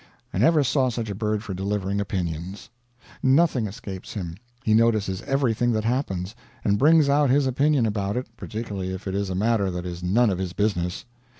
I never saw such a bird for delivering opinions. Nothing escapes him; he notices everything that happens, and brings out his opinion about it, particularly if it is a matter that is none of his business.